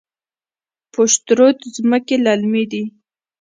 پشت رود ځمکې للمي دي؟